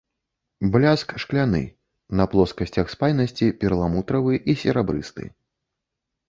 Бляск шкляны, на плоскасцях спайнасці перламутравы і серабрысты.